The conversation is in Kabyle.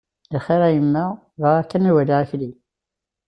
D lxir a yemma, bɣiɣ kan ad waliɣ Akli.